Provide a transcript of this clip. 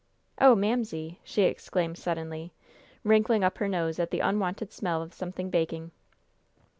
"Oh, Mamsie!" she exclaimed suddenly, wrinkling up her nose at the unwonted smell of something baking.